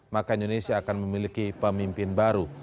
maka indonesia akan memiliki pemimpin baru